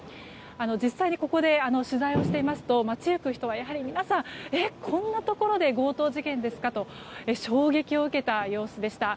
実際にここで取材をしていますと街行く人はやはり皆さんこんなところで強盗事件ですか？と衝撃を受けた様子でした。